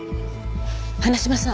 花島さん。